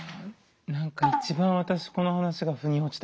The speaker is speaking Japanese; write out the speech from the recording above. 何か一番私この話が腑に落ちたかも。